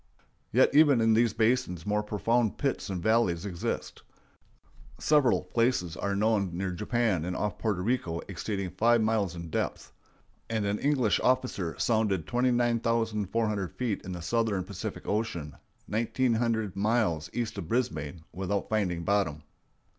Yet even in these basins more profound pits and valleys exist. Several places are known near Japan and off Porto Rico exceeding five miles in depth; and an English officer sounded 29,400 feet in the southern Pacific Ocean, nineteen hundred miles east of Brisbane, without finding bottom.